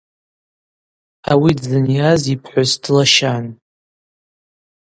Ауи дзынйаз йпхӏвыс длащан.